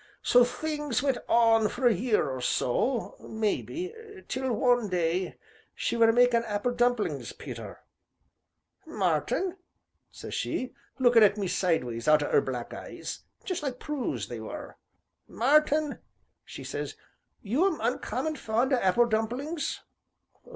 So things went on for a year or so, maybe, till one day she were makin' apple dumplings, Peter 'Martin,' says she, lookin' at me sideways out of 'er black eyes just like Prue's they were 'Martin,' says she, 'you 'm uncommon fond o' apple dumplings?'